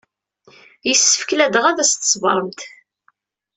Yessefk ladɣa ad tṣebremt.